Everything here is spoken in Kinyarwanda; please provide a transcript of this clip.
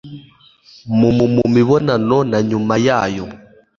mu mu mibonano na nyuma yayo